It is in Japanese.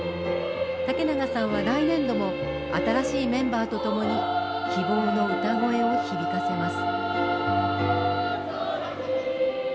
竹永さんは、来年度も新しいメンバーとともに希望の歌声を響かせます。